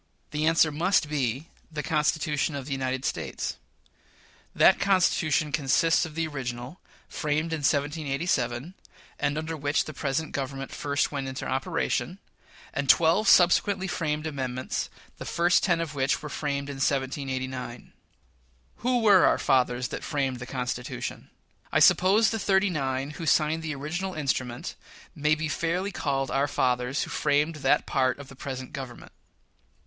The answer must be the Constitution of the United States. That Constitution consists of the original, framed in 1787 (and under which the present Government first went into operation), and twelve subsequently framed amendments, the first ten of which were framed in 1789. Who were our fathers that framed the Constitution? I suppose the "thirty nine" who signed the original instrument may be fairly called our fathers who framed that part of the present Government.